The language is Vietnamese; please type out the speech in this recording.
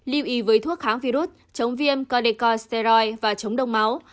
liêu ý với thuốc kháng virus chống viêm corticosteroid và chống đông máu